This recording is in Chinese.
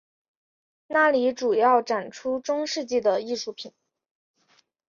那里主要展出中世纪的艺术品。